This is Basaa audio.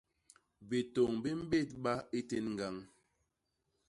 Bitôñ bi mbédba i tén ñgañ.